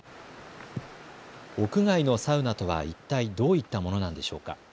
屋外のサウナとは一体どういったものなんでしょうか。